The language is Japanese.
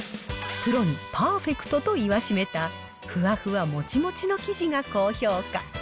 プロにパーフェクトと言わしめたふわふわもちもちの生地が高評価。